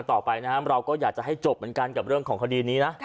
เราก็อยากจะให้จบเหมือนกันกับเรื่องของคดีนี้นะ